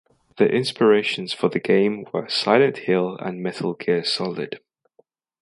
The inspirations for the game were "Silent Hill" and "Metal Gear Solid".